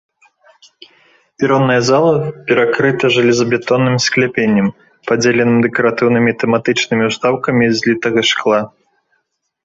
Перонная зала перакрыта жалезабетонным скляпеннем, падзеленым дэкаратыўнымі тэматычнымі ўстаўкамі з літага шкла.